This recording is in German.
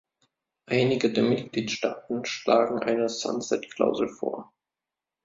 Einige der Mitgliedstaaten schlagen eine Sunset-Klausel vor.